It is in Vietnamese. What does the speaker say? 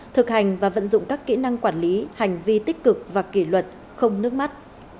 thực hành và vận dụng các kỹ năng quản lý hành vi tích cực và kỷ luật không nước mắt